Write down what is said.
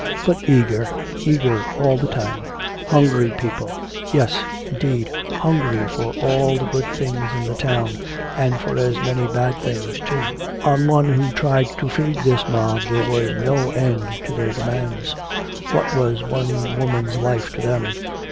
But eager eager all the time! Hungry people yes, indeed! Hungry for all the good things in the town, and for as many bad things, too! On one who tried to feed this mob there was no end to their demands! What was one woman's life to them?